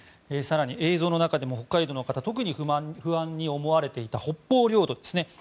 更に映像の中でも北海道の方が特に不安に思われていた北方領土ですね。